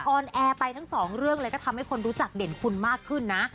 อนแอร์ไปทั้งสองเรื่องเลยก็ทำให้คนรู้จักเด่นคุณมากขึ้นนะ